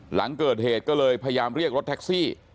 หลังเกิดเหตุก็เลยพยายามเรียกรถแท็กซี่